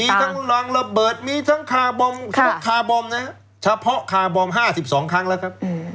มีทั้งรังระเบิดมีทั้งคาร์บอมคาร์บอมนะเฉพาะคาร์บอม๕๒ครั้งแล้วครับ